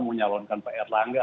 menyalonkan pak erlangga